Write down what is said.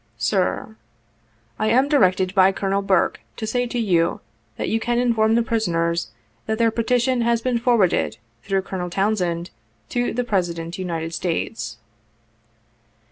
"Sir:— "lam directed by Colonel Burke to say to you, that you can inform the prisoners, that their Petition has been forwarded, through Colonel Townsend, to the President United States.